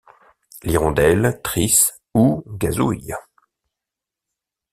L'hirondelle trisse ou gazouille.